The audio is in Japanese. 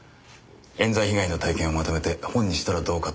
冤罪被害の体験をまとめて本にしたらどうかと。